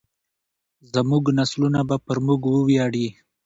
زموږ نسلونه به پر موږ وویاړي.